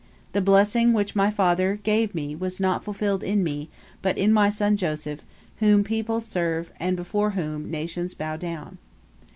The blessing which my father gave me was not fulfilled in me, but in my son Joseph, whom peoples serve, and before whom nations bow down."